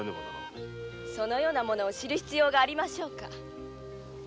そのようなものを知る必要がありましょうか？